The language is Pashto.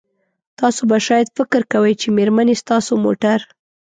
تاسو به شاید فکر کوئ چې میرمنې ستاسو موټر